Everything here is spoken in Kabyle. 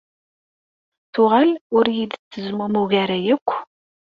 Tuɣal ur yi-d-tettezmumug ara akk.